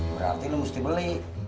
berarti lu mesti beli